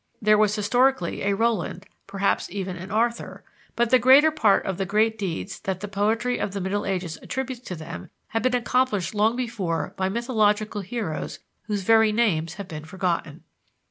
"There was historically a Roland, perhaps even an Arthur, but the greater part of the great deeds that the poetry of the Middle Ages attributes to them had been accomplished long before by mythological heroes whose very names had been forgotten."